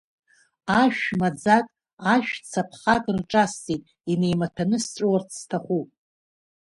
Ашә-маӡак, ашә-цаԥхак рҿасҵеит, инеимаҭәаны сҵәуарц сҭахуп.